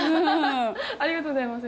ありがとうございます。